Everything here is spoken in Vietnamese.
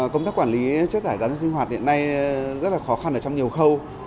công tác quản lý chất thải rắn sinh hoạt hiện nay rất là khó khăn ở trong nhiều khâu